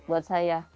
sulit buat saya